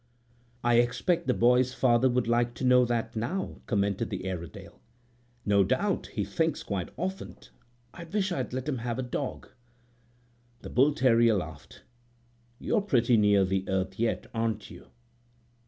"I expect the boy's father would like to know that now," commented the Airedale. "No doubt he thinks quite often, 'I wish I'd let him have a dog.'" The bull terrier laughed. "You're pretty near the earth yet, aren't you?"